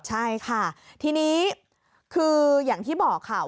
ใช่ค่ะทีนี้คืออย่างที่บอกค่ะ